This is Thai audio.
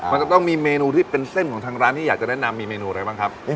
มันจะต้องมีเมนูที่เป็นเส้นของทางร้านที่อยากจะแนะนำมีเมนูอะไรบ้างครับ